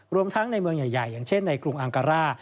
รวมทั้งในเมืองใหญ่อย่างเช่นในกรุงอังการ่า